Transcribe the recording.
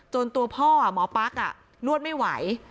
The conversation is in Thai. จนตัวพ่อหมอปลาคนวดไม่ไหว